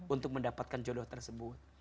untuk mendapatkan jodoh tersebut